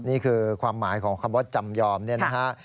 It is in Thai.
นี่คือความหมายของคำว่าจำยอมเนี่ยนะฮะ